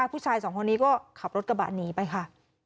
ผู้ชายสองคนนี้ก็ขับรถกระบะหนีไปค่ะ